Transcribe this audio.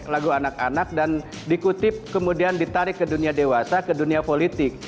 lagu anak anak dan dikutip kemudian ditarik ke dunia dewasa ke dunia politik